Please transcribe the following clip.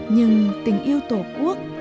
nhưng tình yêu tổ quốc